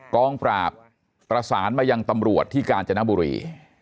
กองปราบประสานมายังตำรวจที่กาญจนบุรี